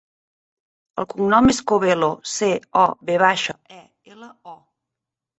El cognom és Covelo: ce, o, ve baixa, e, ela, o.